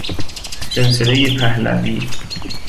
سلسلهُ پهلوی